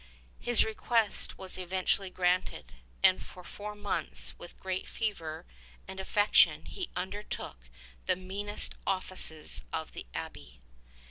His request was eventually granted, and for four months with great fervor and affection he undertook the meanest offices of the abbey.